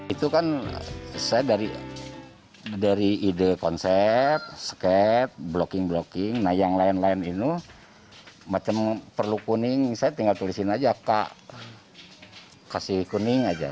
itu kan saya dari ide konsep sket blocking blocking nah yang lain lain itu macam perlu kuning saya tinggal tulisin aja kak kasih kuning aja